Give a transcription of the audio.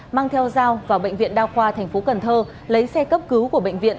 mang theo dao vào bệnh viện đa khoa thành phố cần thơ lấy xe cấp cứu của bệnh viện